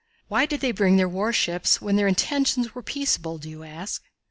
Why did they bring their warships when their intentions were peaceable, do you ask?